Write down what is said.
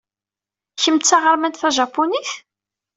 Kemm d taɣermant tajapunit?